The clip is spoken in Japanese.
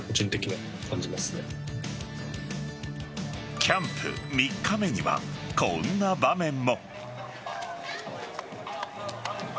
キャンプ３日目にはこんな場面も。